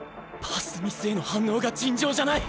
パスミスへの反応が尋常じゃない。